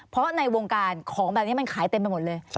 เพราะในวงการของแบบนี้มันขายเต็มไปหมดเลย